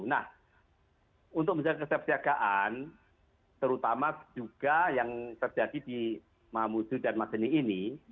nah untuk menjaga kesiap siagaan terutama juga yang terjadi di mahamudud dan maseni ini